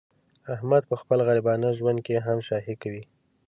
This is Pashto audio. احمد په خپل غریبانه ژوند کې هم شاهي کوي.